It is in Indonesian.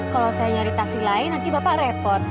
kalau saya nyari taksi lain nanti bapak repot